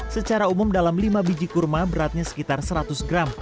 secara umum dalam lima biji kurma beratnya sekitar seratus gram